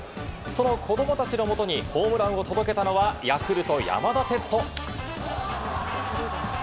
その子供たちのもとにホームランを届けたのはヤクルト、山田哲人。